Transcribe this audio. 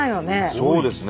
そうですね。